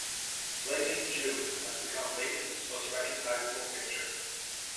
"Flaming June" has become Leighton's most recognisable picture.